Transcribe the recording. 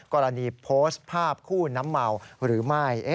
กรณีโพสต์ภาพคู่น้ำเมาหรือไม่